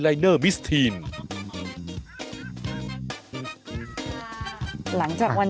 พี่ขับรถไปเจอแบบ